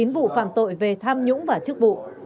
một mươi chín vụ phạm tội về tham nhũng và chức vụ